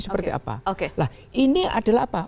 seperti apa nah ini adalah apa